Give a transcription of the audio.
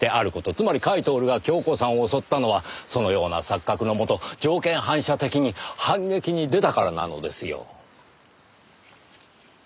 つまり甲斐享が恭子さんを襲ったのはそのような錯覚のもと条件反射的に反撃に出たからなのですよ。